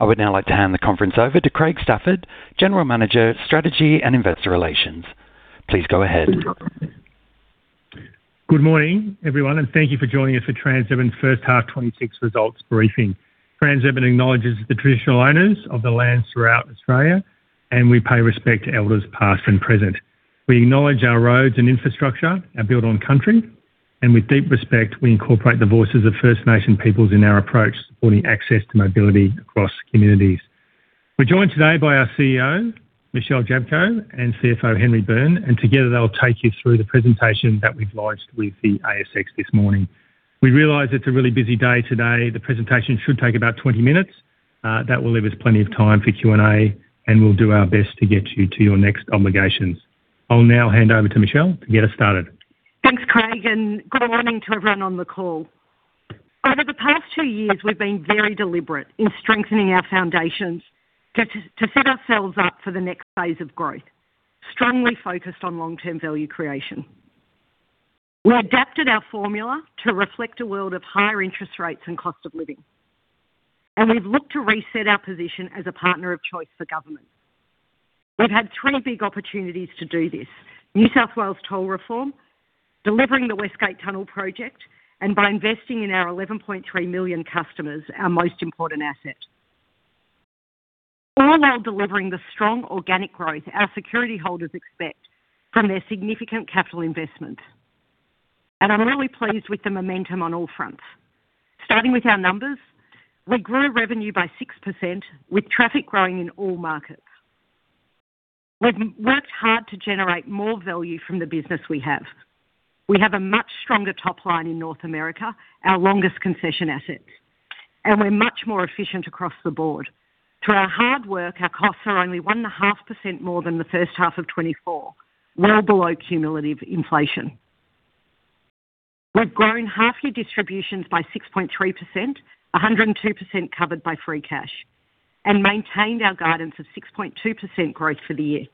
I would now like to hand the conference over to Craig Stafford, General Manager, Strategy and Investor Relations. Please go ahead. Good morning, everyone, and thank you for joining us for Transurban's First Half 2026 Results Briefing. Transurban acknowledges the traditional owners of the lands throughout Australia, and we pay respect to elders, past and present. We acknowledge our roads and infrastructure are built on country, and with deep respect, we incorporate the voices of First Nation peoples in our approach, supporting access to mobility across communities. We're joined today by our CEO, Michelle Jablko, and CFO, Henry Byrne, and together, they'll take you through the presentation that we've lodged with the ASX this morning. We realize it's a really busy day today. The presentation should take about 20 minutes. That will leave us plenty of time for Q&A, and we'll do our best to get you to your next obligations. I'll now hand over to Michelle to get us started. Thanks, Craig, and good morning to everyone on the call. Over the past two years, we've been very deliberate in strengthening our foundations to set ourselves up for the next phase of growth, strongly focused on long-term value creation. We adapted our formula to reflect a world of higher interest rates and cost of living, and we've looked to reset our position as a partner of choice for government. We've had three big opportunities to do this: New South Wales toll reform, delivering the West Gate Tunnel project, and by investing in our 11.3 million customers, our most important asset. All while delivering the strong organic growth our security holders expect from their significant capital investment. And I'm really pleased with the momentum on all fronts. Starting with our numbers, we grew revenue by 6%, with traffic growing in all markets. We've worked hard to generate more value from the business we have. We have a much stronger top line in North America, our longest concession asset, and we're much more efficient across the board. Through our hard work, our costs are only 1.5% more than the first half of 2024, well below cumulative inflation. We've grown half-year distributions by 6.3%, 102% covered by free cash, and maintained our guidance of 6.2% growth for the year.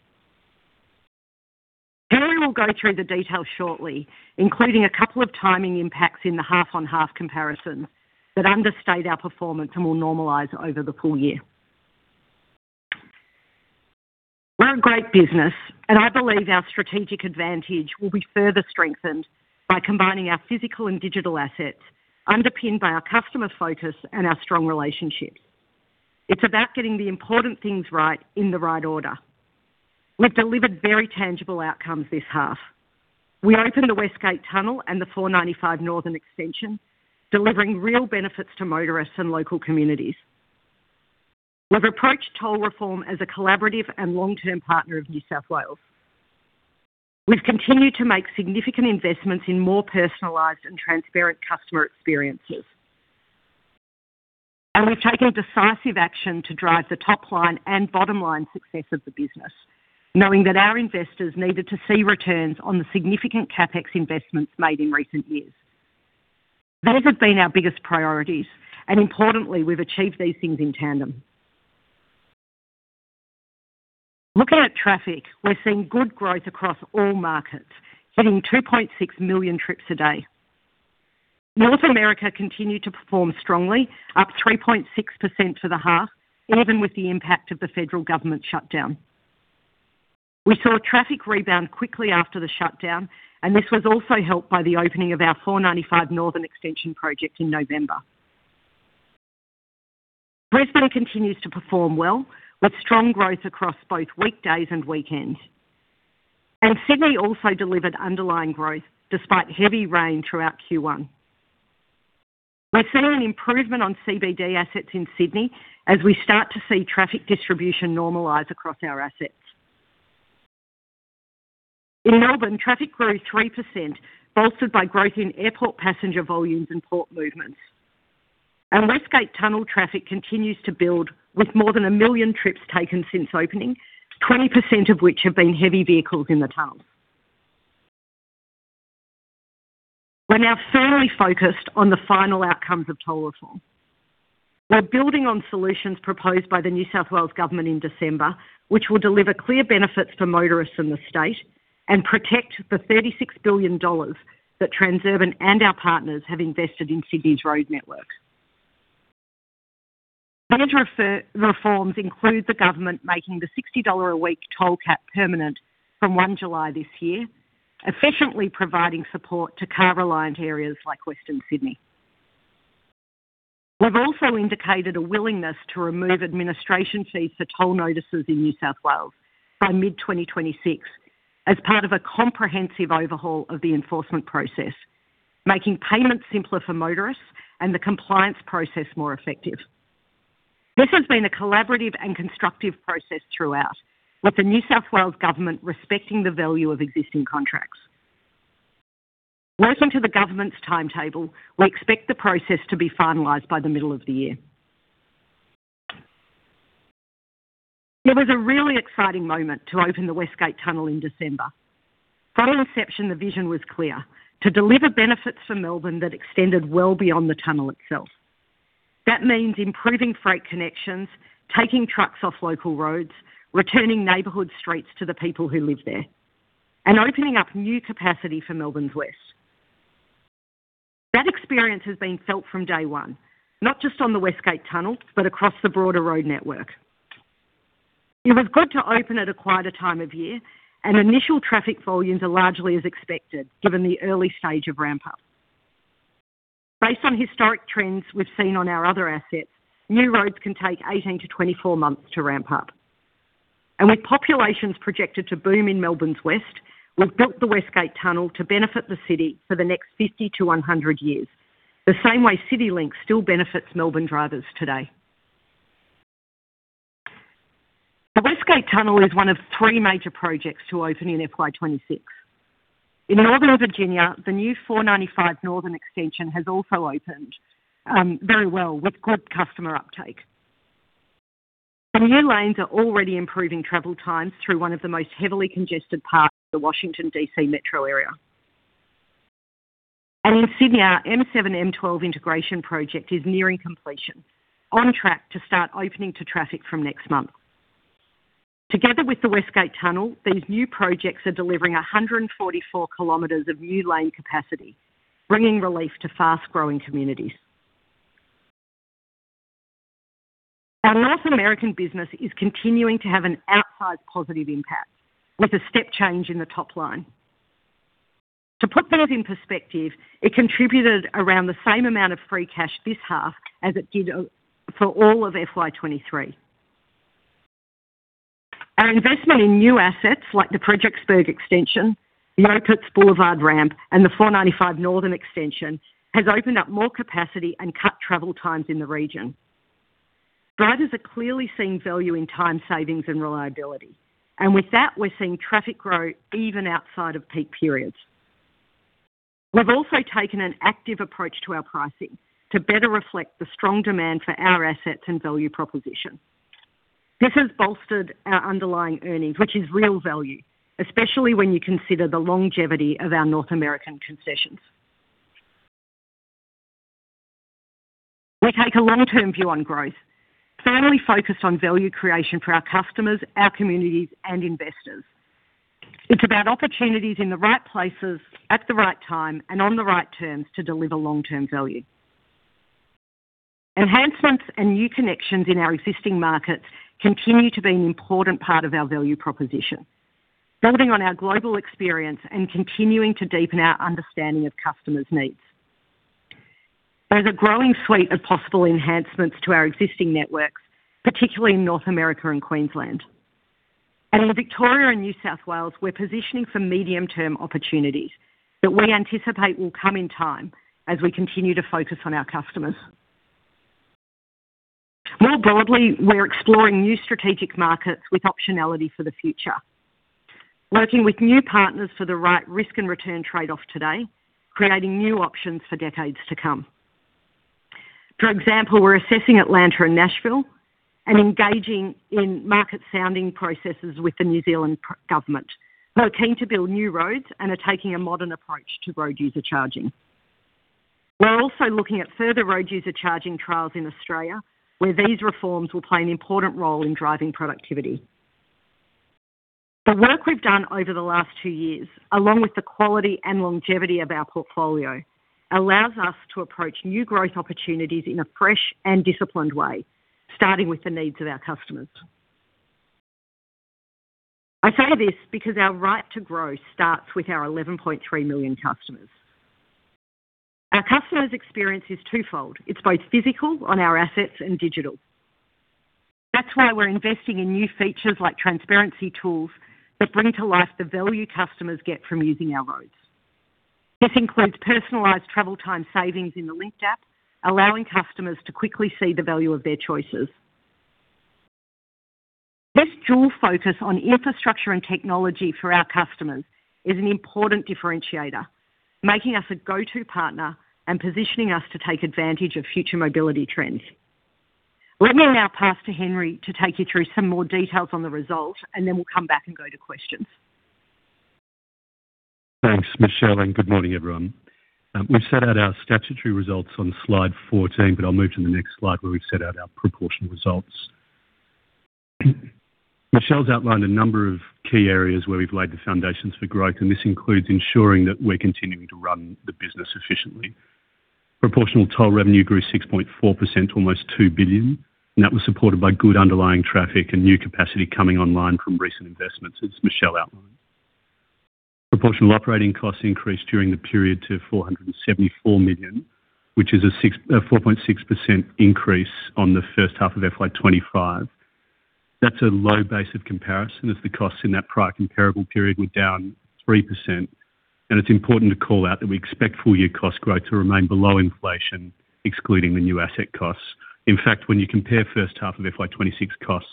Henry will go through the details shortly, including a couple of timing impacts in the half-on-half comparison that understate our performance and will normalize over the full year. We're a great business, and I believe our strategic advantage will be further strengthened by combining our physical and digital assets, underpinned by our customer focus and our strong relationships. It's about getting the important things right in the right order. We've delivered very tangible outcomes this half. We opened the West Gate Tunnel and the 495 Northern Extension, delivering real benefits to motorists and local communities. We've approached toll reform as a collaborative and long-term partner of New South Wales. We've continued to make significant investments in more personalized and transparent customer experiences. And we've taken decisive action to drive the top line and bottom line success of the business, knowing that our investors needed to see returns on the significant CapEx investments made in recent years. Those have been our biggest priorities, and importantly, we've achieved these things in tandem. Looking at traffic, we're seeing good growth across all markets, hitting 2.6 million trips a day. North America continued to perform strongly, up 3.6% for the half, even with the impact of the federal government shutdown. We saw traffic rebound quickly after the shutdown, and this was also helped by the opening of our 495 Northern Extension project in November. Brisbane continues to perform well, with strong growth across both weekdays and weekends. And Sydney also delivered underlying growth despite heavy rain throughout Q1. We're seeing an improvement on CBD assets in Sydney as we start to see traffic distribution normalize across our assets. In Melbourne, traffic grew 3%, bolstered by growth in airport passenger volumes and port movements. And West Gate Tunnel traffic continues to build with more than 1 million trips taken since opening, 20% of which have been heavy vehicles in the tunnel. We're now firmly focused on the final outcomes of toll reform. We're building on solutions proposed by the New South Wales Government in December, which will deliver clear benefits for motorists in the state and protect the 36 billion dollars that Transurban and our partners have invested in Sydney's road network. Major reforms include the government making the AUD 60-a-week toll cap permanent from July 1 this year, efficiently providing support to car-reliant areas like Western Sydney. We've also indicated a willingness to remove administration fees for toll notices in New South Wales by mid-2026 as part of a comprehensive overhaul of the enforcement process, making payments simpler for motorists and the compliance process more effective. This has been a collaborative and constructive process throughout, with the New South Wales Government respecting the value of existing contracts. Working to the government's timetable, we expect the process to be finalized by the middle of the year. It was a really exciting moment to open the West Gate Tunnel in December. From inception, the vision was clear: to deliver benefits for Melbourne that extended well beyond the tunnel itself. That means improving freight connections, taking trucks off local roads, returning neighborhood streets to the people who live there, and opening up new capacity for Melbourne's West Gate. That experience has been felt from day one, not just on the West Gate Tunnel, but across the broader road network. It was good to open at a quieter time of year, and initial traffic volumes are largely as expected, given the early stage of ramp up. Based on historic trends we've seen on our other assets, new roads can take 18-24 months to ramp up. With populations projected to boom in Melbourne's west, we've built the West Gate Tunnel to benefit the city for the next 50-100 years, the same way CityLink still benefits Melbourne drivers today. The West Gate Tunnel is one of three major projects to open in FY 2026. In Northern Virginia, the new 495 Northern Extension has also opened very well, with good customer uptake. The new lanes are already improving travel times through one of the most heavily congested parts of the Washington, D.C., metro area. In Sydney, our M7, M12 integration project is nearing completion, on track to start opening to traffic from next month. Together with the West Gate Tunnel, these new projects are delivering 144 km of new lane capacity, bringing relief to fast-growing communities. Our North American business is continuing to have an outsized positive impact, with a step change in the top line. To put that in perspective, it contributed around the same amount of Free Cash this half as it did for all of FY 2023. Our investment in new assets like the Fredericksburg Extension, the Opitz Boulevard Ramp, and the 495 Northern Extension has opened up more capacity and cut travel times in the region. Drivers are clearly seeing value in time savings and reliability, and with that, we're seeing traffic grow even outside of peak periods. We've also taken an active approach to our pricing to better reflect the strong demand for our assets and value proposition. This has bolstered our underlying earnings, which is real value, especially when you consider the longevity of our North American concessions. We take a long-term view on growth, firmly focused on value creation for our customers, our communities, and investors. It's about opportunities in the right places, at the right time, and on the right terms to deliver long-term value. Enhancements and new connections in our existing markets continue to be an important part of our value proposition, building on our global experience and continuing to deepen our understanding of customers' needs. There's a growing suite of possible enhancements to our existing networks, particularly in North America and Queensland. In Victoria and New South Wales, we're positioning for medium-term opportunities that we anticipate will come in time as we continue to focus on our customers. More broadly, we're exploring new strategic markets with optionality for the future, working with new partners for the right risk and return trade-off today, creating new options for decades to come. For example, we're assessing Atlanta and Nashville and engaging in market sounding processes with the New Zealand government, who are keen to build new roads and are taking a modern approach to road user charging. We're also looking at further road user charging trials in Australia, where these reforms will play an important role in driving productivity. The work we've done over the last two years, along with the quality and longevity of our portfolio, allows us to approach new growth opportunities in a fresh and disciplined way, starting with the needs of our customers. I say this because our right to grow starts with our 11.3 million customers. Our customers' experience is twofold. It's both physical on our assets and digital. That's why we're investing in new features like transparency tools that bring to life the value customers get from using our roads. This includes personalized travel time savings in the Linkt App, allowing customers to quickly see the value of their choices. This dual focus on infrastructure and technology for our customers is an important differentiator, making us a go-to partner and positioning us to take advantage of future mobility trends. Let me now pass to Henry to take you through some more details on the results, and then we'll come back and go to questions. Thanks, Michelle, and good morning, everyone. We've set out our statutory results on Slide 14, but I'll move to the next slide, where we've set out our proportional results. Michelle's outlined a number of key areas where we've laid the foundations for growth, and this includes ensuring that we're continuing to run the business efficiently. Proportional toll revenue grew 6.4%, almost 2 billion, and that was supported by good underlying traffic and new capacity coming online from recent investments, as Michelle outlined. Proportional operating costs increased during the period to 474 million, which is a 4.6% increase on the first half of FY 2025. That's a low base of comparison, as the costs in that prior comparable period were down 3%, and it's important to call out that we expect full-year cost growth to remain below inflation, excluding the new asset costs. In fact, when you compare first half of FY 2026 costs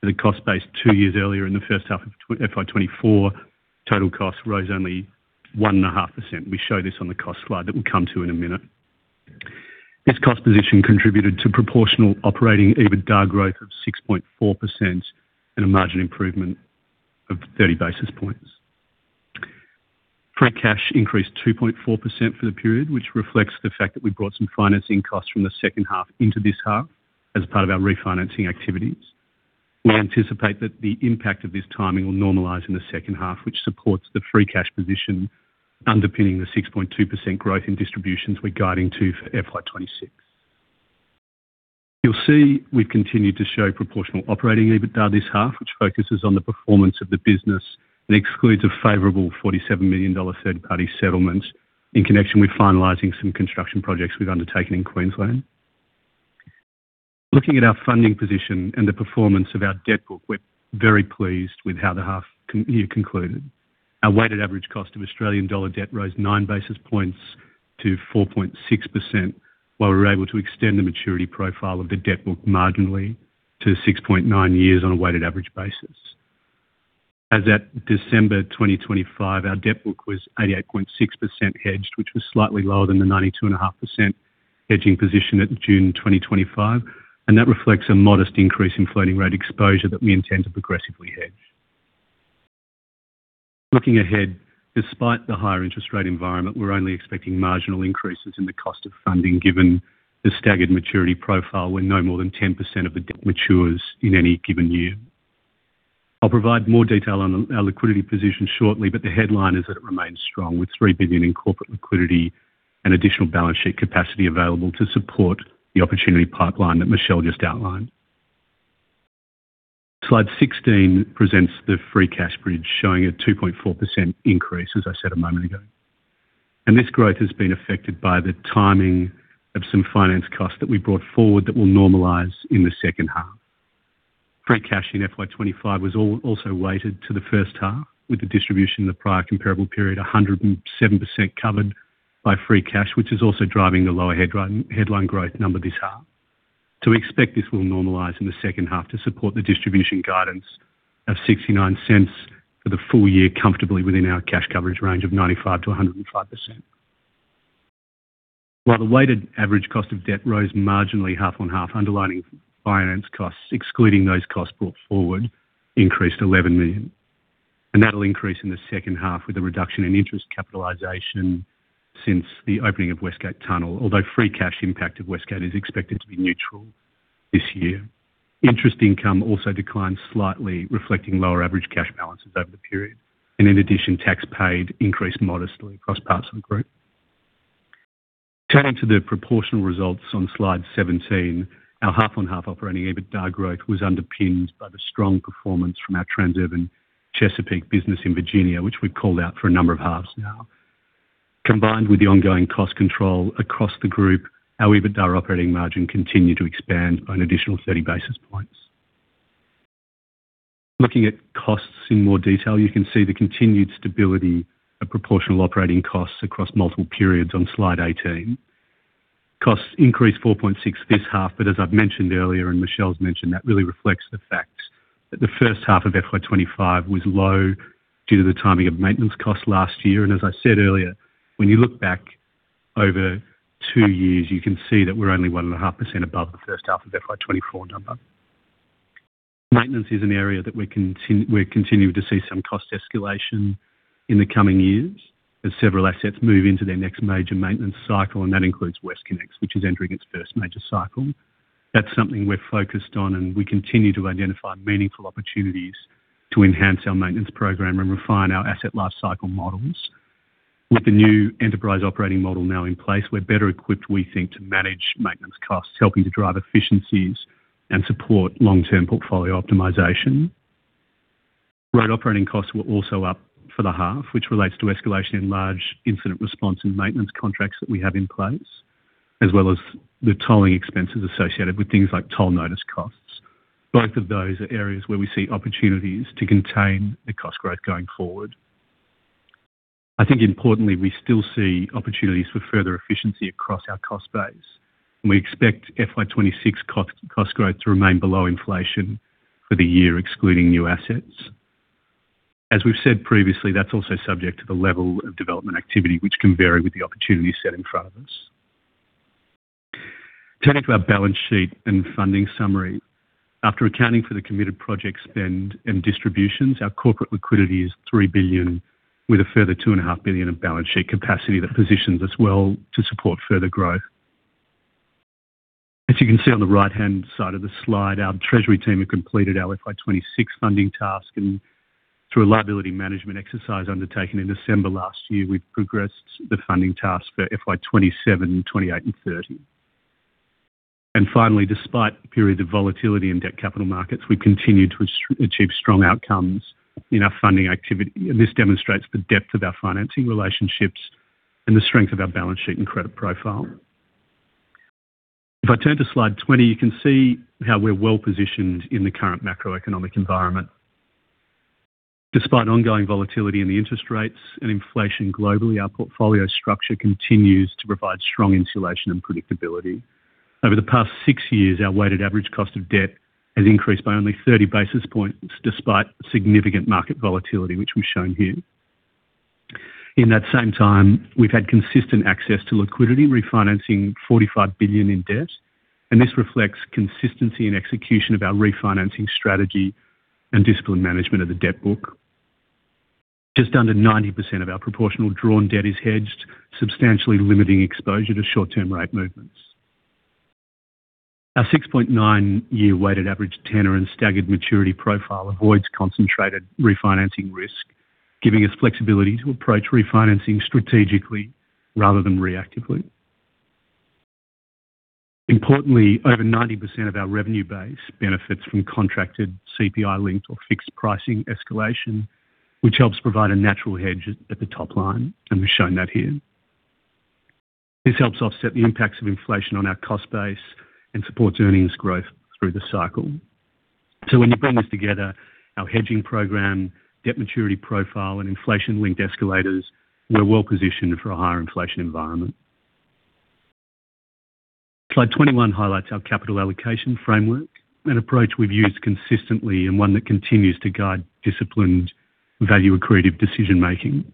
to the cost base two years earlier in the first half of FY 2024, total costs rose only 1.5%. We show this on the cost slide that we'll come to in a minute. This cost position contributed to proportional operating EBITDA growth of 6.4% and a margin improvement of 30 basis points. Free cash increased 2.4% for the period, which reflects the fact that we brought some financing costs from the second half into this half as part of our refinancing activities.... We anticipate that the impact of this timing will normalize in the second half, which supports the free cash position underpinning the 6.2% growth in distributions we're guiding to for FY 2026. You'll see we've continued to show proportional operating EBITDA this half, which focuses on the performance of the business and excludes a favorable 47 million dollar third-party settlement in connection with finalizing some construction projects we've undertaken in Queensland. Looking at our funding position and the performance of our debt book, we're very pleased with how the half year concluded. Our weighted average cost of Australian dollar debt rose 9 basis points to 4.6%, while we were able to extend the maturity profile of the debt book marginally to 6.9 years on a weighted average basis. As at December 2025, our debt book was 88.6% hedged, which was slightly lower than the 92.5% hedging position at June 2025, and that reflects a modest increase in floating rate exposure that we intend to progressively hedge. Looking ahead, despite the higher interest rate environment, we're only expecting marginal increases in the cost of funding, given the staggered maturity profile, where no more than 10% of the debt matures in any given year. I'll provide more detail on our liquidity position shortly, but the headline is that it remains strong, with 3 billion in corporate liquidity and additional balance sheet capacity available to support the opportunity pipeline that Michelle just outlined. Slide 16 presents the free cash bridge, showing a 2.4% increase, as I said a moment ago, and this growth has been affected by the timing of some finance costs that we brought forward that will normalize in the second half. Free cash in FY 25 was also weighted to the first half, with the distribution in the prior comparable period 107% covered by free cash, which is also driving the lower headline growth number this half. So we expect this will normalize in the second half to support the distribution guidance of 0.69 for the full year, comfortably within our cash coverage range of 95%-105%. While the weighted average cost of debt rose marginally half-on-half, underlining finance costs, excluding those costs brought forward, increased 11 million, and that'll increase in the second half with a reduction in interest capitalization since the opening of West Gate Tunnel. Although free cash impact of West Gate is expected to be neutral this year. Interest income also declined slightly, reflecting lower average cash balances over the period, and in addition, tax paid increased modestly across parts of the group. Turning to the proportional results on Slide 17, our half-on-half operating EBITDA growth was underpinned by the strong performance from our Transurban Chesapeake business in Virginia, which we've called out for a number of halves now. Combined with the ongoing cost control across the group, our EBITDA operating margin continued to expand on additional 30 basis points. Looking at costs in more detail, you can see the continued stability of proportional operating costs across multiple periods on Slide 18. Costs increased 4.6 this half, but as I've mentioned earlier and Michelle's mentioned, that really reflects the fact that the first half of FY 2025 was low due to the timing of maintenance costs last year and as I said earlier, when you look back over two years, you can see that we're only 1.5% above the first half of FY 2024 number. Maintenance is an area that we're continuing to see some cost escalation in the coming years as several assets move into their next major maintenance cycle, and that includes WestConnex, which is entering its first major cycle. That's something we're focused on, and we continue to identify meaningful opportunities to enhance our maintenance program and refine our asset lifecycle models. With the new enterprise operating model now in place, we're better equipped, we think, to manage maintenance costs, helping to drive efficiencies and support long-term portfolio optimization. Road operating costs were also up for the half, which relates to escalation in large incident response and maintenance contracts that we have in place, as well as the tolling expenses associated with things like toll notice costs. Both of those are areas where we see opportunities to contain the cost growth going forward. I think importantly, we still see opportunities for further efficiency across our cost base, and we expect FY 2026 cost, cost growth to remain below inflation for the year, excluding new assets. As we've said previously, that's also subject to the level of development activity, which can vary with the opportunities set in front of us. Turning to our balance sheet and funding summary. After accounting for the committed project spend and distributions, our corporate liquidity is 3 billion, with a further 2.5 billion of balance sheet capacity that positions us well to support further growth. As you can see on the right-hand side of the slide, our treasury team have completed our FY 2026 funding task, and through a liability management exercise undertaken in December last year, we've progressed the funding task for FY 2027, 2028, and 2030. And finally, despite a period of volatility in debt capital markets, we continued to achieve strong outcomes in our funding activity. And this demonstrates the depth of our financing relationships and the strength of our balance sheet and credit profile. If I turn to slide 20, you can see how we're well-positioned in the current macroeconomic environment. Despite ongoing volatility in the interest rates and inflation globally, our portfolio structure continues to provide strong insulation and predictability. Over the past six years, our weighted average cost of debt has increased by only 30 basis points, despite significant market volatility, which we've shown here. In that same time, we've had consistent access to liquidity, refinancing 45 billion in debt, and this reflects consistency and execution of our refinancing strategy and disciplined management of the debt book. Just under 90% of our proportional drawn debt is hedged, substantially limiting exposure to short-term rate movements. Our 6.9-year weighted average tenor and staggered maturity profile avoids concentrated refinancing risk, giving us flexibility to approach refinancing strategically rather than reactively. Importantly, over 90% of our revenue base benefits from contracted CPI linked or fixed pricing escalation, which helps provide a natural hedge at the top line, and we've shown that here. This helps offset the impacts of inflation on our cost base and supports earnings growth through the cycle. So when you bring this together, our hedging program, debt maturity profile, and inflation-linked escalators, we're well positioned for a higher inflation environment. Slide 21 highlights our capital allocation framework, an approach we've used consistently and one that continues to guide disciplined, value-accretive decision making.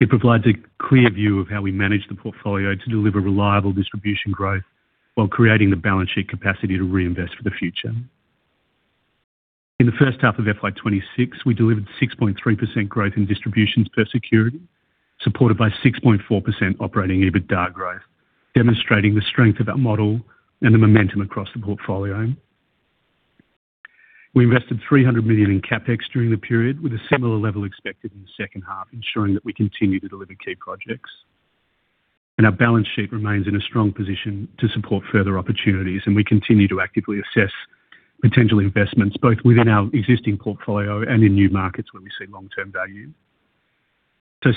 It provides a clear view of how we manage the portfolio to deliver reliable distribution growth while creating the balance sheet capacity to reinvest for the future. In the first half of FY 2026, we delivered 6.3% growth in distributions per security, supported by 6.4% operating EBITDA growth, demonstrating the strength of our model and the momentum across the portfolio. We invested 300 million in CapEx during the period, with a similar level expected in the second half, ensuring that we continue to deliver key projects. Our balance sheet remains in a strong position to support further opportunities, and we continue to actively assess potential investments, both within our existing portfolio and in new markets where we see long-term value.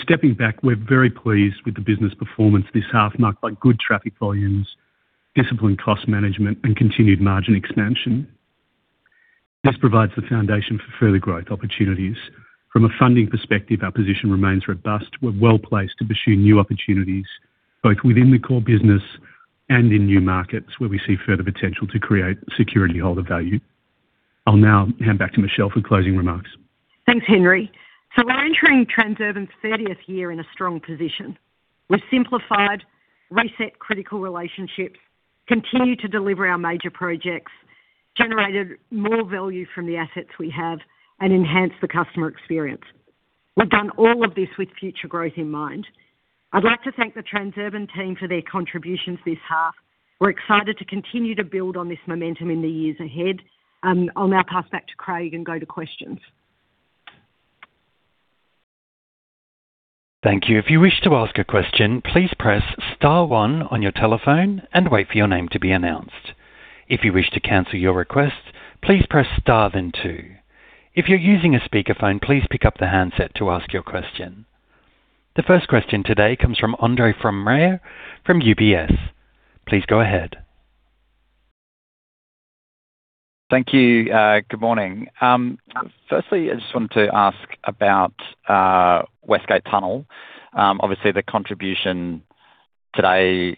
Stepping back, we're very pleased with the business performance this half, marked by good traffic volumes, disciplined cost management, and continued margin expansion. This provides the foundation for further growth opportunities. From a funding perspective, our position remains robust. We're well-placed to pursue new opportunities, both within the core business and in new markets where we see further potential to create security holder value. I'll now hand back to Michelle for closing remarks. Thanks, Henry. So we're entering Transurban's thirtieth year in a strong position. We've simplified, reset critical relationships, continued to deliver our major projects, generated more value from the assets we have, and enhanced the customer experience. We've done all of this with future growth in mind. I'd like to thank the Transurban team for their contributions this half. We're excited to continue to build on this momentum in the years ahead. I'll now pass back to Craig and go to questions. Thank you. If you wish to ask a question, please press star one on your telephone and wait for your name to be announced. If you wish to cancel your request, please press star, then two. If you're using a speakerphone, please pick up the handset to ask your question. The first question today comes from Andre Fromyhr from UBS. Please go ahead. Thank you, good morning. Firstly, I just wanted to ask about West Gate Tunnel. Obviously, the contribution today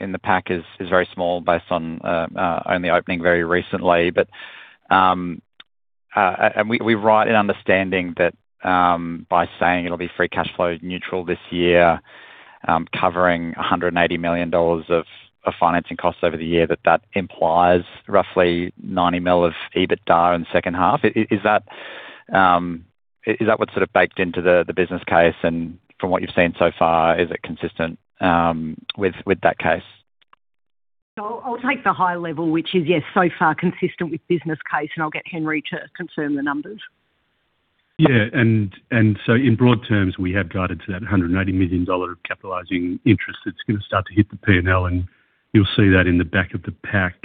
in the pack is very small, based on only opening very recently. But, and we're right in understanding that, by saying it'll be free cash flow neutral this year, covering 180 million dollars of financing costs over the year, that implies roughly 90 million of EBITDA in the second half. Is that what's sort of baked into the business case? And from what you've seen so far, is it consistent with that case? I'll take the high level, which is, yes, so far consistent with business case, and I'll get Henry to confirm the numbers. Yeah, and so in broad terms, we have guided to that 180 million dollar of capitalizing interest that's gonna start to hit the P&L, and you'll see that in the back of the pack.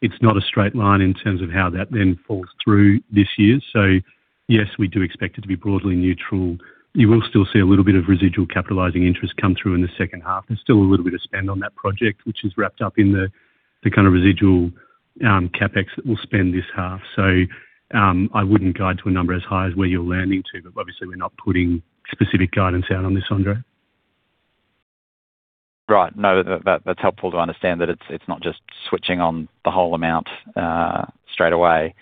It's not a straight line in terms of how that then falls through this year. So yes, we do expect it to be broadly neutral. You will still see a little bit of residual capitalizing interest come through in the second half. There's still a little bit of spend on that project, which is wrapped up in the kind of residual CapEx that we'll spend this half. So, I wouldn't guide to a number as high as where you're landing to, but obviously, we're not putting specific guidance out on this, Andre. Right. No, that's helpful to understand that it's not just switching on the whole amount straight away.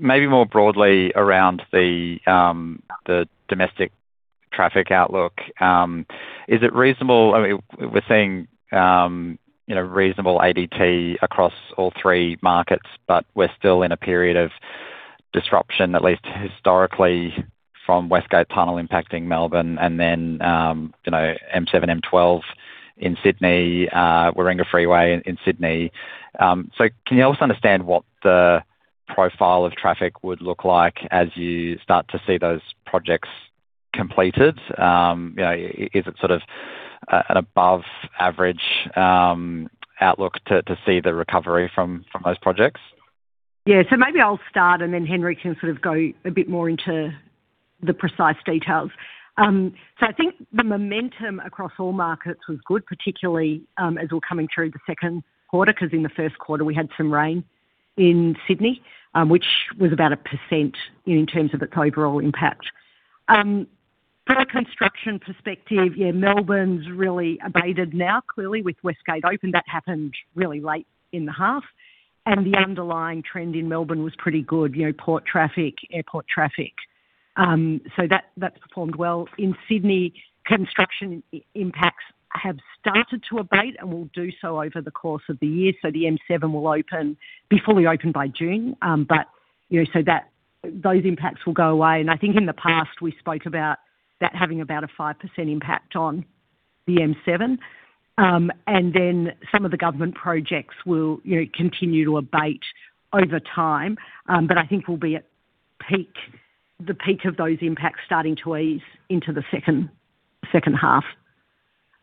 Maybe more broadly around the domestic traffic outlook, is it reasonable—I mean, we're seeing, you know, reasonable ADT across all three markets, but we're still in a period of disruption, at least historically, from West Gate Tunnel impacting Melbourne and then, you know, M7, M12 in Sydney, Warringah Freeway in Sydney. So can you also understand what the profile of traffic would look like as you start to see those projects completed? You know, is it sort of an above average outlook to see the recovery from those projects? Yeah. So maybe I'll start, and then Henry can sort of go a bit more into the precise details. So I think the momentum across all markets was good, particularly, as we're coming through the second quarter, 'cause in the first quarter, we had some rain in Sydney, which was about 1% in terms of its overall impact. From a construction perspective, yeah, Melbourne's really abated now. Clearly, with West Gate open, that happened really late in the half, and the underlying trend in Melbourne was pretty good, you know, port traffic, airport traffic. So that, that performed well. In Sydney, construction impacts have started to abate and will do so over the course of the year. So the M7 will open, be fully open by June. But, you know, so that, those impacts will go away. I think in the past, we spoke about that having about a 5% impact on the M7. Then some of the government projects will, you know, continue to abate over time, but I think we'll be at peak, the peak of those impacts starting to ease into the second half.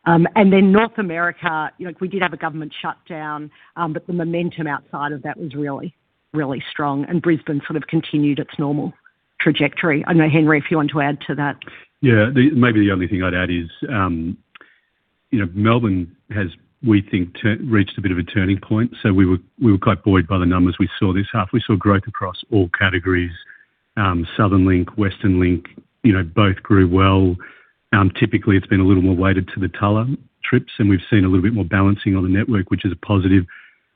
Then North America, you know, we did have a government shutdown, but the momentum outside of that was really, really strong, and Brisbane sort of continued its normal trajectory. I know, Henry, if you want to add to that. Yeah, the maybe the only thing I'd add is, you know, Melbourne has, we think, reached a bit of a turning point, so we were quite buoyed by the numbers we saw this half. We saw growth across all categories, Southern Link, Western Link, you know, both grew well. Typically, it's been a little more weighted to the Tulla trips, and we've seen a little bit more balancing on the network, which is a positive.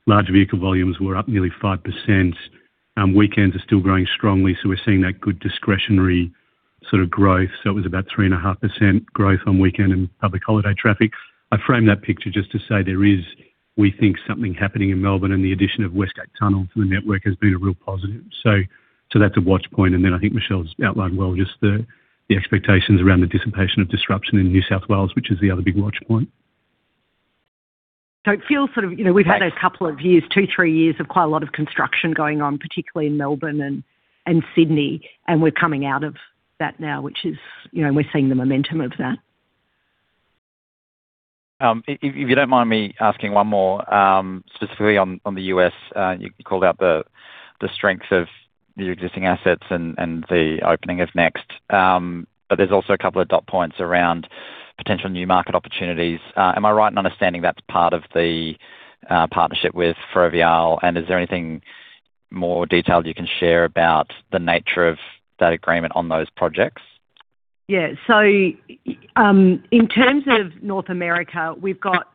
Large vehicle volumes were up nearly 5%. Weekends are still growing strongly, so we're seeing that good discretionary sort of growth. So it was about 3.5% growth on weekend and public holiday traffic. I frame that picture just to say there is, we think, something happening in Melbourne, and the addition of West Gate Tunnel to the network has been a real positive. So that's a watch point, and then I think Michelle's outlined well just the expectations around the dissipation of disruption in New South Wales, which is the other big watch point. It feels sort of, you know, we've had a couple of years, 2, 3 years of quite a lot of construction going on, particularly in Melbourne and Sydney, and we're coming out of that now, which is, you know, we're seeing the momentum of that. If you don't mind me asking one more, specifically on the US, you called out the strength of the existing assets and the opening of NEXT. But there's also a couple of dot points around potential new market opportunities. Am I right in understanding that's part of the partnership with Ferrovial? And is there anything more detailed you can share about the nature of that agreement on those projects? Yeah. So, in terms of North America, we've got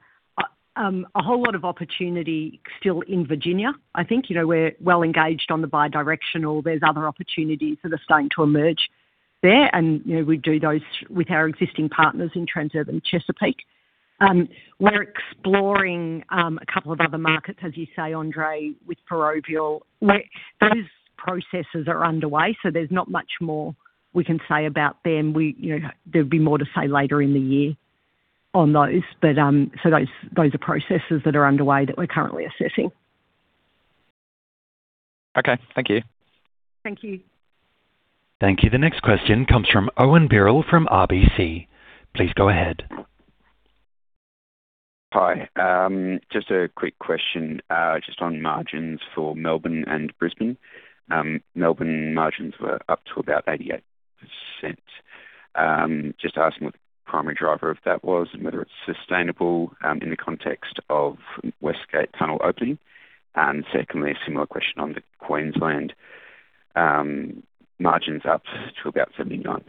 a whole lot of opportunity still in Virginia. I think, you know, we're well engaged on the bi-directional. There's other opportunities that are starting to emerge there, and, you know, we do those with our existing partners in Transurban Chesapeake. We're exploring a couple of other markets, as you say, Andre, with Ferrovial. Those processes are underway, so there's not much more we can say about them. We, you know, there'll be more to say later in the year on those. But so those, those are processes that are underway that we're currently assessing. Okay. Thank you. Thank you. Thank you. The next question comes from Owen Birrell from RBC. Please go ahead. Hi, just a quick question, just on margins for Melbourne and Brisbane. Melbourne margins were up to about 88%. Just asking what the primary driver of that was and whether it's sustainable, in the context of West Gate Tunnel opening. And secondly, a similar question on the Queensland, margins up to about 79%,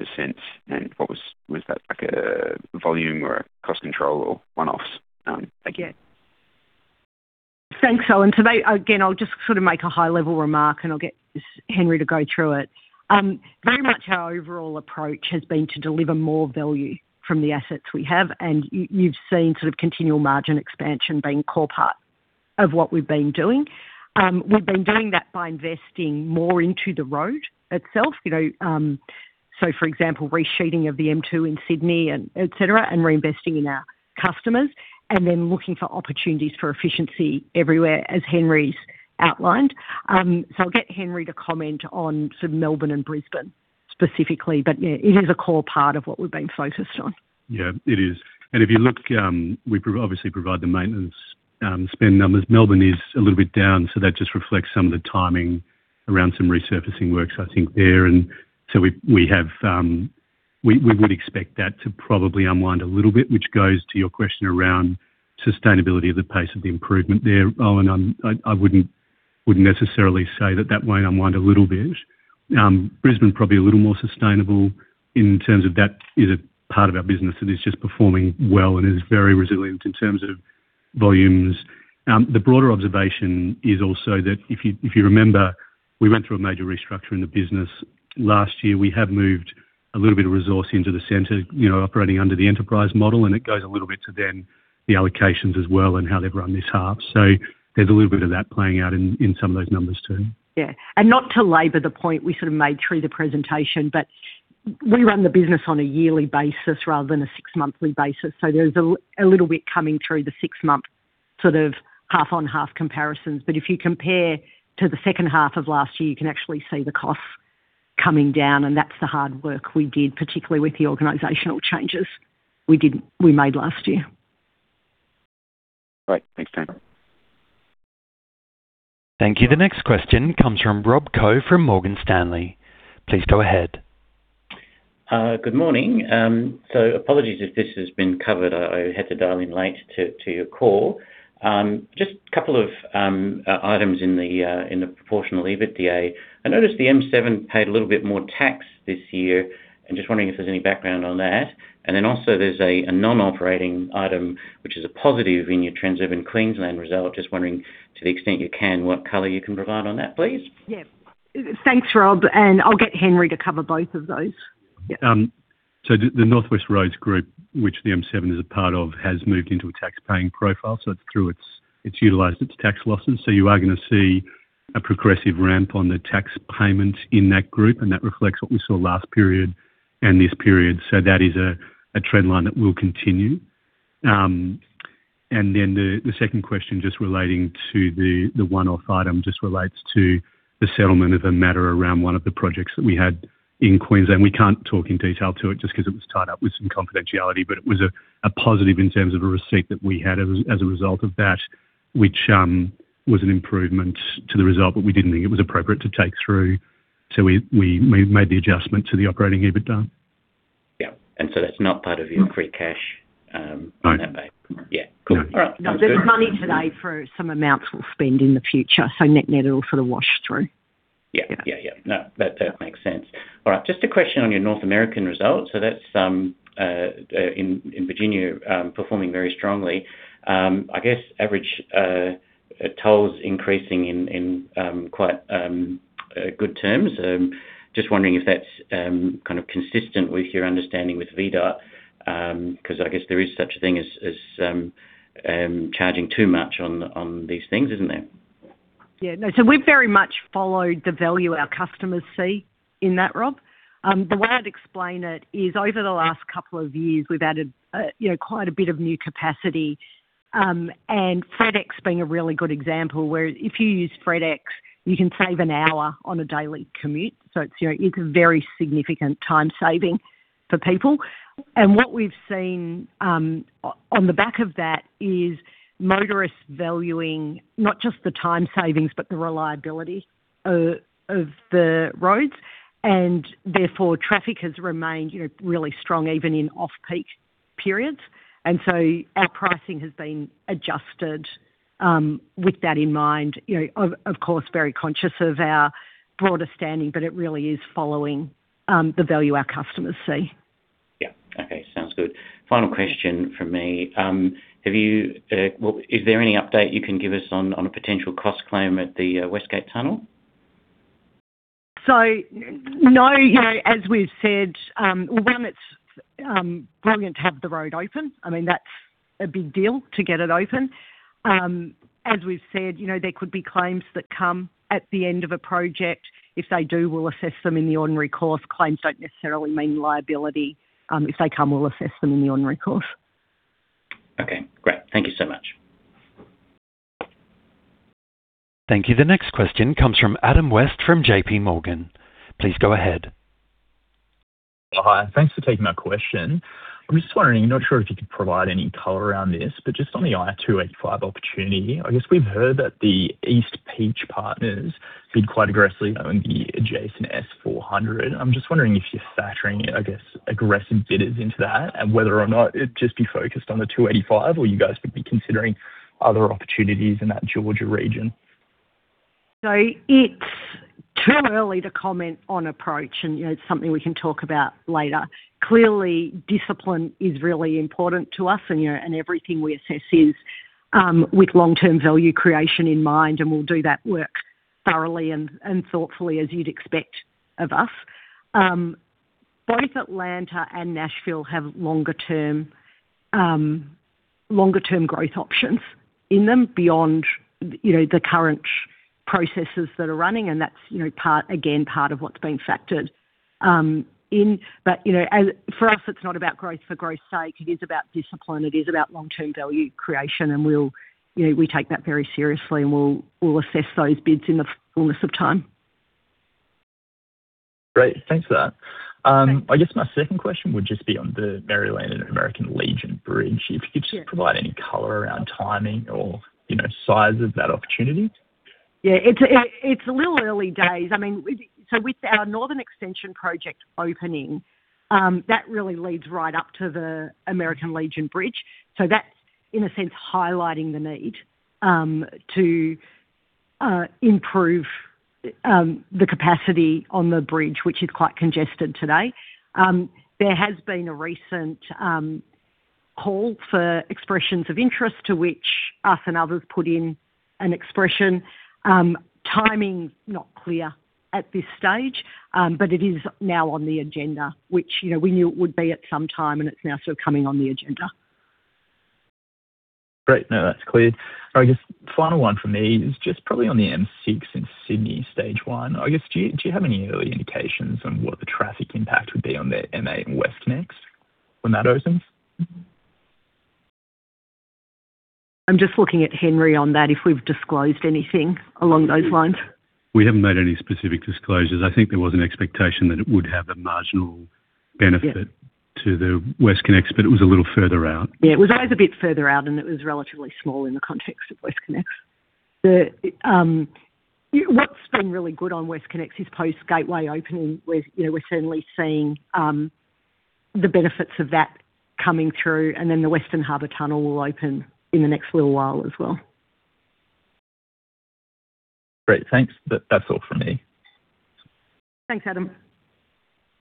and what was that, like a volume or a cost control or one-offs? Thank you. Yeah. Thanks, Owen. So they, again, I'll just sort of make a high-level remark, and I'll get Henry to go through it. Very much our overall approach has been to deliver more value from the assets we have, and you've seen sort of continual margin expansion being core part of what we've been doing. We've been doing that by investing more into the road itself, you know, so for example, resheeting of the M2 in Sydney and et cetera, and reinvesting in our customers, and then looking for opportunities for efficiency everywhere, as Henry's outlined. So I'll get Henry to comment on sort of Melbourne and Brisbane specifically, but, yeah, it is a core part of what we've been focused on. Yeah, it is. And if you look, we obviously provide the maintenance spend numbers. Melbourne is a little bit down, so that just reflects some of the timing around some resurfacing works, I think, there. And so we have, we would expect that to probably unwind a little bit, which goes to your question around sustainability of the pace of the improvement there, Owen, and I wouldn't necessarily say that that won't unwind a little bit. Brisbane, probably a little more sustainable in terms of that is a part of our business that is just performing well and is very resilient in terms of volumes. The broader observation is also that if you remember, we went through a major restructure in the business last year. We have moved a little bit of resource into the center, you know, operating under the enterprise model, and it goes a little bit to then the allocations as well and how they've run this half. So there's a little bit of that playing out in some of those numbers, too. Yeah, and not to labor the point we sort of made through the presentation, but we run the business on a yearly basis rather than a six-monthly basis, so there's a little bit coming through the six-month sort of half-on-half comparisons. But if you compare to the second half of last year, you can actually see the costs coming down, and that's the hard work we did, particularly with the organizational changes we did, we made last year. Great. Thanks, Henry. Thank you. The next question comes from Rob Koh from Morgan Stanley. Please go ahead. Good morning. So apologies if this has been covered. I had to dial in late to your call. Just a couple of items in the proportional EBITDA. I noticed the M7 paid a little bit more tax this year, and just wondering if there's any background on that. And then also there's a non-operating item, which is a positive in your Transurban Queensland result. Just wondering, to the extent you can, what color you can provide on that, please? Yeah. Thanks, Rob, and I'll get Henry to cover both of those. Yeah. The Northwest Roads Group, which the M7 is a part of, has moved into a tax-paying profile, so it's utilized its tax losses. You are going to see a progressive ramp on the tax payment in that group, and that reflects what we saw last period and this period. That is a trend line that will continue. The second question, just relating to the one-off item, just relates to the settlement of a matter around one of the projects that we had in Queensland. We can't talk in detail to it just 'cause it was tied up with some confidentiality, but it was a positive in terms of a receipt that we had as a result of that, which was an improvement to the result, but we didn't think it was appropriate to take through. So we made the adjustment to the operating EBITDA. Yeah. And so that's not part of your free cash, in that bank? No. Yeah. Cool. All right. No, there's money today for some amounts we'll spend in the future, so net-net, it'll sort of wash through. Yeah. Yeah. Yeah, yeah. No, that makes sense. All right, just a question on your North American results. So that's in Virginia performing very strongly. I guess average tolls increasing in quite good terms. Just wondering if that's kind of consistent with your understanding with VDOT 'cause I guess there is such a thing as charging too much on these things, isn't there? Yeah. No, so we've very much followed the value our customers see in that, Rob. The way I'd explain it is over the last couple of years, we've added, you know, quite a bit of new capacity, and FedEx being a really good example, where if you use FedEx, you can save an hour on a daily commute. So it's, you know, it's a very significant time saving for people. And what we've seen, on the back of that is motorists valuing not just the time savings, but the reliability, of the roads, and therefore, traffic has remained, you know, really strong, even in off-peak periods. And so our pricing has been adjusted, with that in mind, you know, of, of course, very conscious of our broader standing, but it really is following, the value our customers see. Yeah. Okay, sounds good. Final question from me. Have you... Well, is there any update you can give us on a potential cost claim at the West Gate Tunnel? So no, you know, as we've said, well, one, it's brilliant to have the road open. I mean, that's a big deal to get it open. As we've said, you know, there could be claims that come at the end of a project. If they do, we'll assess them in the ordinary course. Claims don't necessarily mean liability. If they come, we'll assess them in the ordinary course. Okay, great. Thank you so much. Thank you. The next question comes from Adam West, from J.PMorgan. Please go ahead. Hi, thanks for taking my question. I'm just wondering, I'm not sure if you could provide any color around this, but just on the I-285 opportunity, I guess we've heard that the East Peach Partners bid quite aggressively on the adjacent SR 400. I'm just wondering if you're factoring, I guess, aggressive bidders into that and whether or not it'd just be focused on the 285, or you guys would be considering other opportunities in that Georgia region? So it's too early to comment on approach, and, you know, it's something we can talk about later. Clearly, discipline is really important to us, and you know, and everything we assess is with long-term value creation in mind, and we'll do that work thoroughly and, and thoughtfully, as you'd expect of us. Both Atlanta and Nashville have longer-term, longer-term growth options in them beyond, you know, the current processes that are running, and that's, you know, part, again, part of what's being factored in. But, you know, as—for us, it's not about growth for growth's sake. It is about discipline, it is about long-term value creation, and we'll... You know, we take that very seriously, and we'll, we'll assess those bids in the fullness of time. Great. Thanks for that. I guess my second question would just be on the Maryland and American Legion Bridge. Sure. If you could just provide any color around timing or, you know, size of that opportunity? Yeah, it's a little early days. I mean, with our northern extension project opening, that really leads right up to the American Legion Bridge. So that's, in a sense, highlighting the need to improve the capacity on the bridge, which is quite congested today. There has been a recent call for expressions of interest, to which us and others put in an expression. Timing, not clear at this stage, but it is now on the agenda, which, you know, we knew it would be at some time, and it's now sort of coming on the agenda. Great. No, that's clear. I guess final one for me is just probably on the M6 in Sydney, Stage 1. I guess, do you, do you have any early indications on what the traffic impact would be on the M8 WestConnex when that opens? I'm just looking at Henry on that, if we've disclosed anything along those lines. We haven't made any specific disclosures. I think there was an expectation that it would have a marginal benefit- Yeah to the WestConnex, but it was a little further out. Yeah, it was always a bit further out, and it was relatively small in the context of WestConnex. What's been really good on WestConnex is post-Gateway opening, we're, you know, we're certainly seeing the benefits of that coming through, and then the Western Harbor Tunnel will open in the next little while as well. Great, thanks. That's all from me. Thanks, Adam....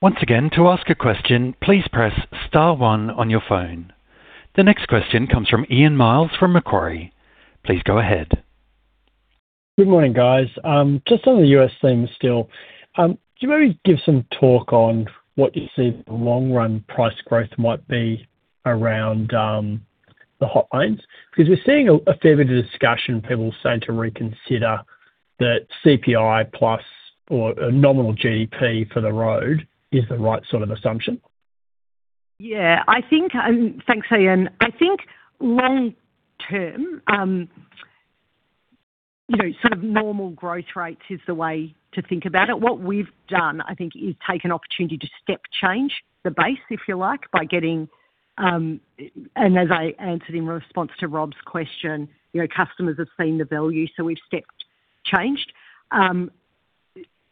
Once again, to ask a question, please press star one on your phone. The next question comes from Ian Myles, from Macquarie. Please go ahead. Good morning, guys. Just on the US theme still, could you maybe give some talk on what you see the long-run price growth might be around, the hot lanes? Because we're seeing a fair bit of discussion, people starting to reconsider that CPI plus or a nominal GDP for the road is the right sort of assumption. Yeah, I think, and thanks, Ian. I think long term, you know, sort of normal growth rates is the way to think about it. What we've done, I think, is take an opportunity to step change the base, if you like, by getting, and as I answered in response to Rob's question, you know, customers have seen the value, so we've stepped changed.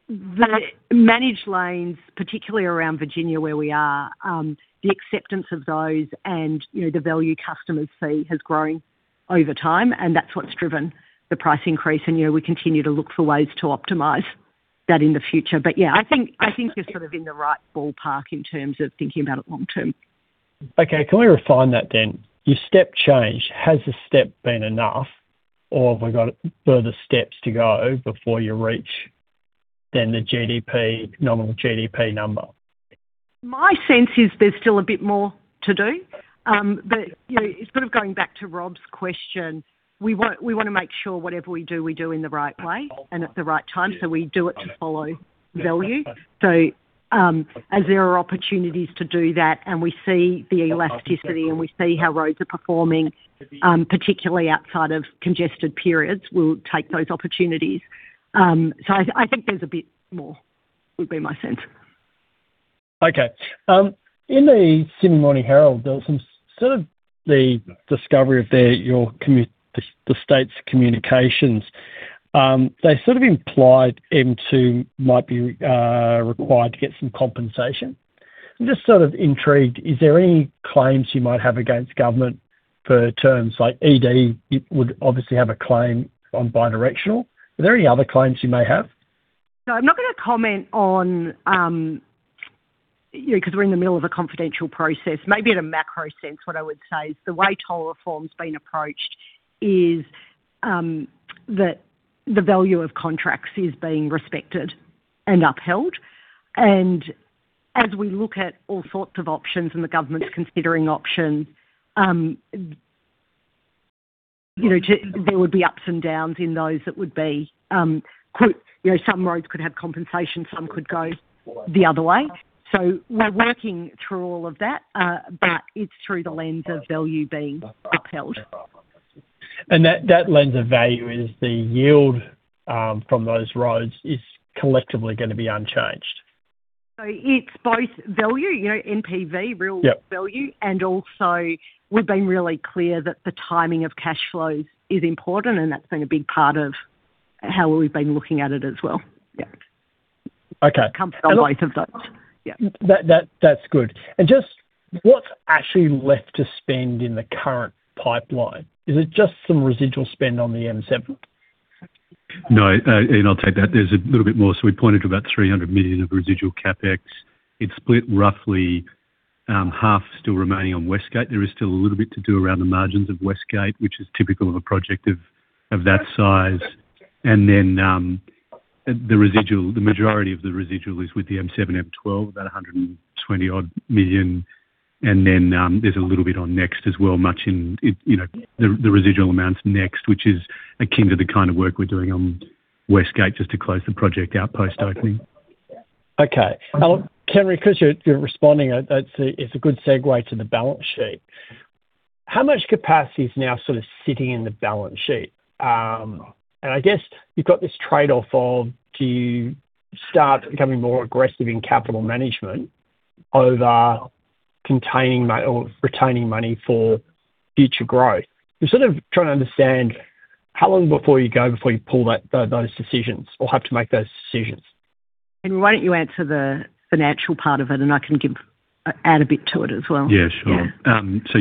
The managed lanes, particularly around Virginia, where we are, the acceptance of those and, you know, the value customers see has grown over time, and that's what's driven the price increase. And, you know, we continue to look for ways to optimize that in the future. But yeah, I think, I think you're sort of in the right ballpark in terms of thinking about it long term. Okay, can we refine that then? Your step change, has the step been enough, or have we got further steps to go before you reach the GDP, nominal GDP number? My sense is there's still a bit more to do. But, you know, it's sort of going back to Rob's question. We want, we want to make sure whatever we do, we do in the right way and at the right time, so we do it to follow value. So, as there are opportunities to do that and we see the elasticity and we see how roads are performing, particularly outside of congested periods, we'll take those opportunities. So I, I think there's a bit more, would be my sense. Okay. In the Sydney Morning Herald, there was some sort of the discovery of the state's communications. They sort of implied M2 might be required to get some compensation. I'm just sort of intrigued, is there any claims you might have against government for terms like ED? It would obviously have a claim on bidirectional. Are there any other claims you may have? No, I'm not going to comment on, you know, 'cause we're in the middle of a confidential process. Maybe at a macro sense, what I would say is the way toll reform's been approached is that the value of contracts is being respected and upheld. As we look at all sorts of options and the government's considering options, you know, there would be ups and downs in those that would be, you know, some roads could have compensation, some could go the other way. We're working through all of that, but it's through the lens of value being upheld. That lens of value is the yield from those roads is collectively gonna be unchanged? So it's both value, you know, NPV- Yep. real value, and also, we've been really clear that the timing of cash flows is important, and that's been a big part of how we've been looking at it as well. Yeah. Okay. Comfortable weight of those. Yeah. That's good. Just what's actually left to spend in the current pipeline? Is it just some residual spend on the M7? No, and I'll take that. There's a little bit more. So we pointed to about 300 million of residual CapEx. It's split roughly, half still remaining on West Gate. There is still a little bit to do around the margins of West Gate, which is typical of a project of that size. And then, the residual, the majority of the residual is with the M7, M12, about 120-odd million, and then, there's a little bit on next as well, much in, you know, the residual amounts next, which is akin to the kind of work we're doing on West Gate, just to close the project out post-opening. Okay. Henry, 'cause you're responding, that's a good segue to the balance sheet. How much capacity is now sort of sitting in the balance sheet? And I guess you've got this trade-off of do you start becoming more aggressive in capital management over containing or retaining money for future growth? I'm sort of trying to understand how long before you go, before you pull that, those decisions or have to make those decisions. Why don't you answer the financial part of it, and I can give, add a bit to it as well. Yeah, sure. Yeah. So,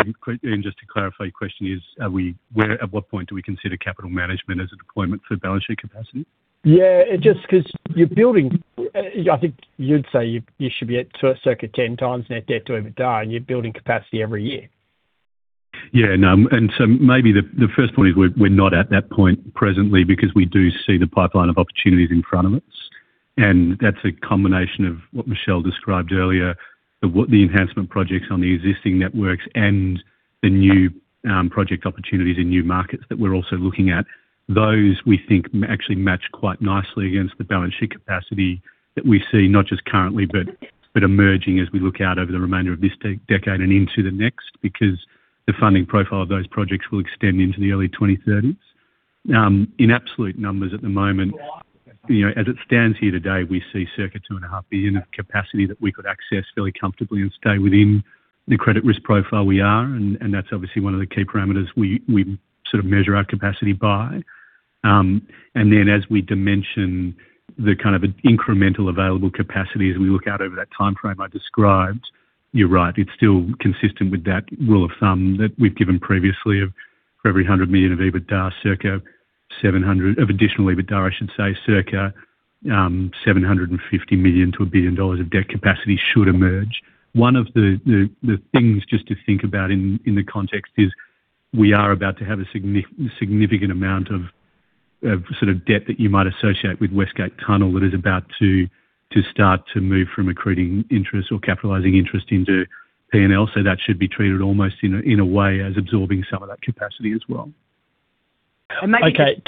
to clarify, your question is, at what point do we consider capital management as a deployment for balance sheet capacity? Yeah, it just... 'cause you're building, I think you'd say you should be at circa 10 times net debt to EBITDA, and you're building capacity every year. Yeah, no, and so maybe the first point is we're not at that point presently because we do see the pipeline of opportunities in front of us, and that's a combination of what Michelle described earlier, of what the enhancement projects on the existing networks and the new project opportunities in new markets that we're also looking at. Those, we think, actually match quite nicely against the balance sheet capacity that we see, not just currently, but emerging as we look out over the remainder of this decade and into the next, because the funding profile of those projects will extend into the early 2030s. In absolute numbers at the moment, you know, as it stands here today, we see circa 2.5 billion of capacity that we could access fairly comfortably and stay within the credit risk profile we are, and that's obviously one of the key parameters we sort of measure our capacity by. And then, as we dimension the kind of incremental available capacity as we look out over that timeframe I described, you're right, it's still consistent with that rule of thumb that we've given previously of for every 100 million of EBITDA, circa 700 of additionally, but I should say circa 750 million-1 billion dollars of debt capacity should emerge. One of the things just to think about in the context is we are about to have a significant amount of sort of debt that you might associate with West Gate Tunnel that is about to start to move from accruing interest or capitalizing interest into P&L. So that should be treated almost in a way, as absorbing some of that capacity as well. And maybe- Okay,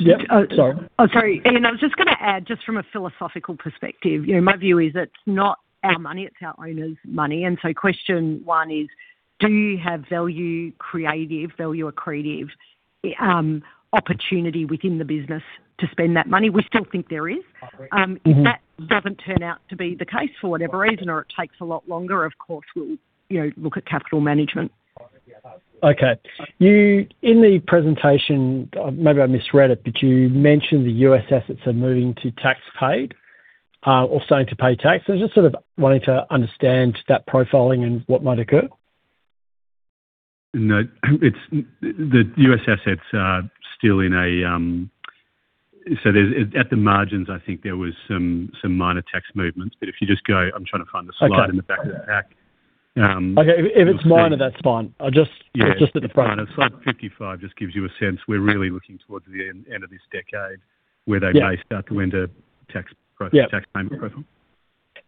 yep, sorry. Oh, sorry. Ian, I was just going to add, just from a philosophical perspective, you know, my view is it's not our money, it's our owners' money. And so question one is: Do you have value creative, value accretive, opportunity within the business to spend that money? We still think there is. Mm-hmm. If that doesn't turn out to be the case, for whatever reason, or it takes a lot longer, of course, we'll, you know, look at capital management. Okay. You in the presentation, maybe I misread it, but you mentioned the U.S. assets are moving to tax paid, or starting to pay tax. I was just sort of wanting to understand that profile and what might occur. No, it's the U.S. assets are still in a... So there's, at the margins, I think there was some minor tax movements, but if you just go-- I'm trying to find the slide. Okay. in the back of the pack Okay, if it's minor, that's fine. I just- Yeah. It's just at the front. Slide 55 just gives you a sense. We're really looking towards the end, end of this decade- Yeah. -where they may start to enter tax pro- Yeah. Tax-paying profile.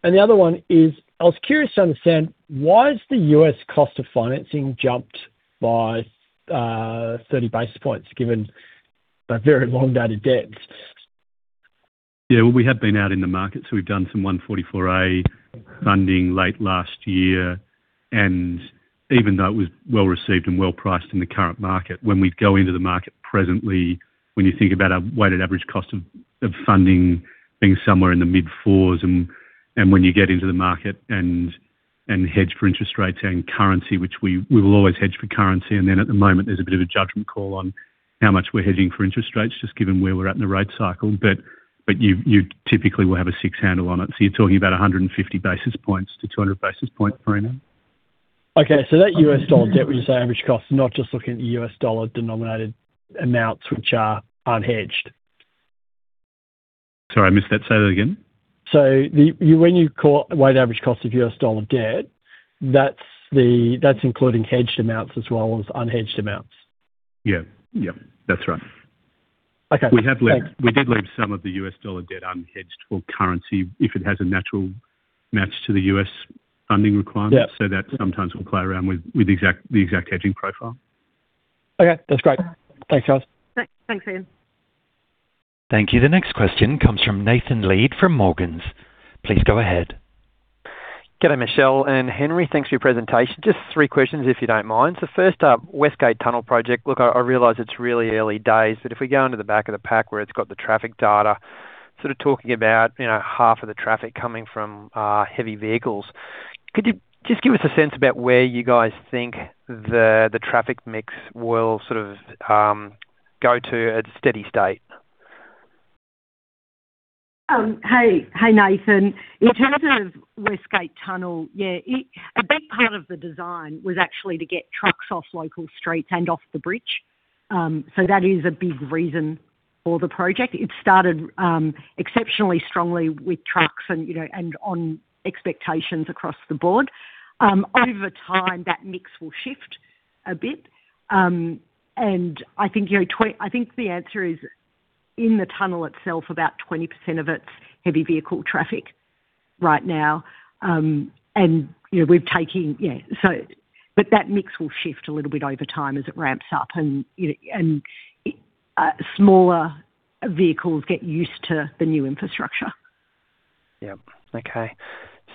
The other one is, I was curious to understand, why has the U.S. cost of financing jumped by 30 basis points, given the very long dated debts? Yeah, well, we have been out in the market, so we've done some 144A funding late last year, and even though it was well received and well priced in the current market, when we go into the market presently, when you think about our weighted average cost of funding being somewhere in the mid-fours, and when you get into the market and hedge for interest rates and currency, which we will always hedge for currency. And then at the moment, there's a bit of a judgment call on how much we're hedging for interest rates, just given where we're at in the rate cycle. But you typically will have a six handle on it. So you're talking about 150 basis points to 200 basis points, Marina. Okay, so that U.S. dollar debt, you say, average cost, is not just looking at the U.S. dollar-denominated amounts, which are unhedged? Sorry, I missed that. Say that again. So, when you call weighted average cost of U.S. dollar debt, that's including hedged amounts as well as unhedged amounts? Yeah. Yeah, that's right. Okay. We have left- Thanks. We did leave some of the U.S. dollar debt unhedged for currency, if it has a natural match to the U.S. funding requirements. Yeah. So that sometimes will play around with the exact hedging profile. Okay, that's great. Thanks, guys. Thanks, Ian. Thank you. The next question comes from Nathan Lead from Morgans. Please go ahead. G'day, Michelle and Henry. Thanks for your presentation. Just three questions, if you don't mind. So first up, West Gate Tunnel project. Look, I realize it's really early days, but if we go into the back of the pack where it's got the traffic data, sort of talking about, you know, half of the traffic coming from heavy vehicles, could you just give us a sense about where you guys think the traffic mix will sort of go to at steady state? Hey, hey, Nathan. In terms of West Gate Tunnel, yeah, it... A big part of the design was actually to get trucks off local streets and off the bridge. So that is a big reason for the project. It started exceptionally strongly with trucks and, you know, and on expectations across the board. Over time, that mix will shift a bit. And I think, you know, I think the answer is, in the tunnel itself, about 20% of it's heavy vehicle traffic right now. And, you know, we're taking... Yeah, so, but that mix will shift a little bit over time as it ramps up, and, you know, and smaller vehicles get used to the new infrastructure. Yep. Okay.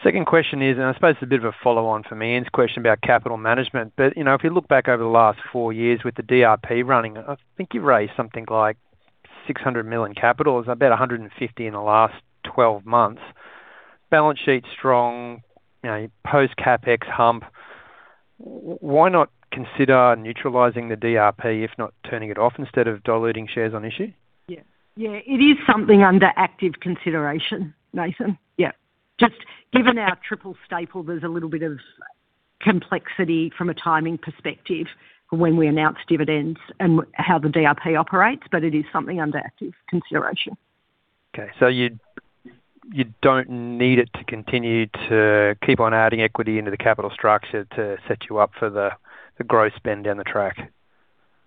Second question is, and I suppose a bit of a follow-on from Ian's question about capital management, but, you know, if you look back over the last four years with the DRP running, I think you've raised something like 600 million capital. It's about 150 million in the last twelve months. Balance sheet's strong, you know, post CapEx hump. Why not consider neutralizing the DRP, if not turning it off, instead of diluting shares on issue? Yeah. Yeah, it is something under active consideration, Nathan. Yeah. Just given our Triple Staple, there's a little bit of complexity from a timing perspective when we announce dividends and how the DRP operates, but it is something under active consideration. Okay. So you don't need it to continue to keep on adding equity into the capital structure to set you up for the growth spend down the track?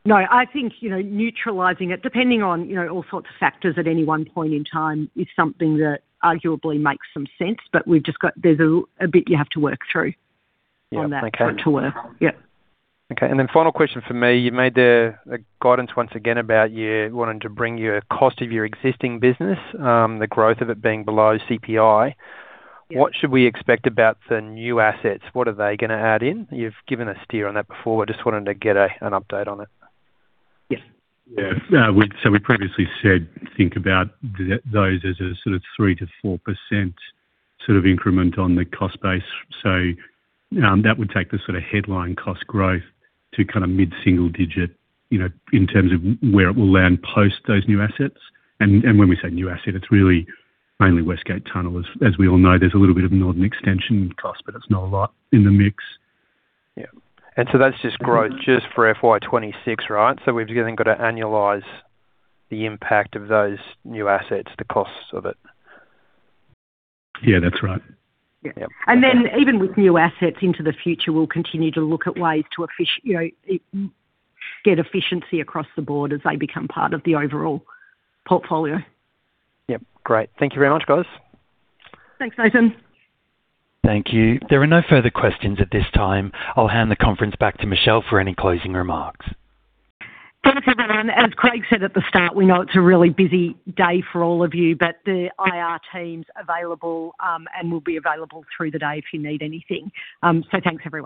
No, I think, you know, neutralizing it, depending on, you know, all sorts of factors at any one point in time, is something that arguably makes some sense, but we've just got, there's a bit you have to work through- Yeah. on that front to work. Yeah. Okay. And then final question from me: You made a, a guidance once again about you wanting to bring your cost of your existing business, the growth of it being below CPI. Yeah. What should we expect about the new assets? What are they gonna add in? You've given a steer on that before. I just wanted to get an update on it. Yeah. Yeah. We so we previously said, think about those as a sort of 3%-4% sort of increment on the cost base. So, that would take the sort of headline cost growth to kind of mid-single digit, you know, in terms of where it will land post those new assets. And, and when we say new asset, it's really mainly West Gate Tunnel. As, as we all know, there's a little bit of Northern Extension cost, but it's not a lot in the mix. Yeah. So that's just growth just for FY26, right? We've then got to annualize the impact of those new assets, the costs of it. Yeah, that's right. Yeah. Yep. And then even with new assets into the future, we'll continue to look at ways to, you know, get efficiency across the board as they become part of the overall portfolio. Yep. Great. Thank you very much, guys. Thanks, Nathan. Thank you. There are no further questions at this time. I'll hand the conference back to Michelle for any closing remarks. Thanks, everyone. As Craig said at the start, we know it's a really busy day for all of you, but the IR team's available, and will be available through the day if you need anything. So thanks, everyone.